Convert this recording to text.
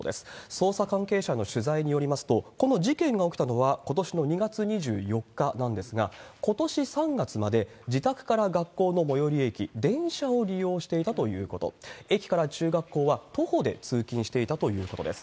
捜査関係者の取材によりますと、この事件が起きたのはことしの２月２４日なんですが、ことし３月まで、自宅から学校の最寄り駅、電車を利用していたということ、駅から中学校は徒歩で通勤していたということです。